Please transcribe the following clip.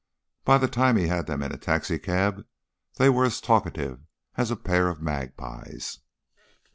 By the time he had them in a taxicab they were as talkative as a pair of magpies.